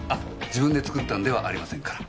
自分で作ったんではありませんから。